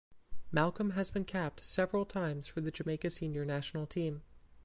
Malcolm has been capped several times for the Jamaica senior national team.